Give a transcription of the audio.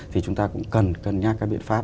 thì chúng ta cũng cần nhắc các biện pháp